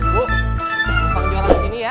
bu pengen jualan sini ya